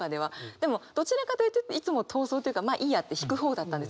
でもどちらかというといつも逃走というかまあいいやって引く方だったんです。